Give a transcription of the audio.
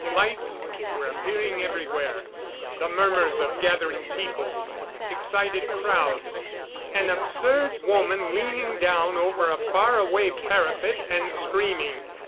Lights were appearing everywhere.... The murmurs of gathering people ... excited crowds ... an absurd woman leaning down over a far away parapet and screaming